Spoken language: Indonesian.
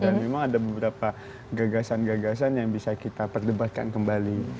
dan memang ada beberapa gagasan gagasan yang bisa kita perdebatkan kembali